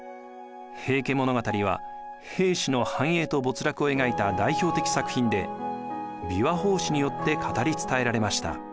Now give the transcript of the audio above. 「平家物語」は平氏の繁栄と没落を描いた代表的作品で琵琶法師によって語り伝えられました。